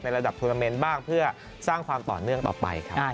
ระดับทวนาเมนต์บ้างเพื่อสร้างความต่อเนื่องต่อไปครับ